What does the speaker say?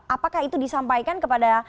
apakah itu disampaikan kepada